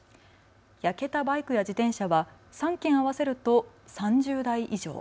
焼けたバイクや自転車は３件合わせると３０台以上。